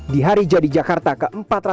di hari jadi jakarta ke empat ratus empat puluh